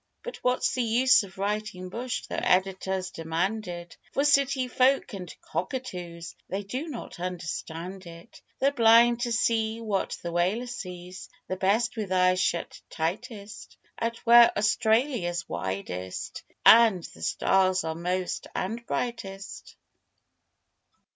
But what's the use of writing 'bush' Though editors demand it For city folk and cockatoos, They do not understand it. They're blind to what the whaler sees The best with eyes shut tightest, Out where Australia's widest, and The stars are most and brightest.